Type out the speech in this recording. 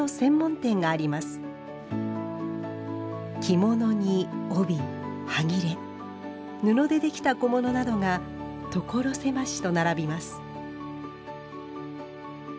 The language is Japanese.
着物に帯はぎれ布で出来た小物などが所狭しと並びます